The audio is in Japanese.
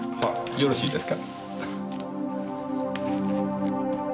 よろしいですか？